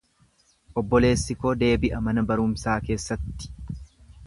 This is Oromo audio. Obboleessi koo deebi'a mana barumsaa keessatti.